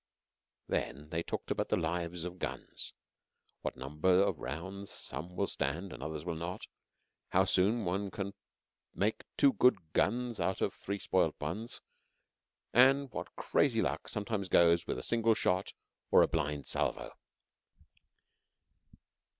Then they talked about the lives of guns; what number of rounds some will stand and others will not; how soon one can make two good guns out of three spoilt ones, and what crazy luck sometimes goes with a single shot or a blind salvo.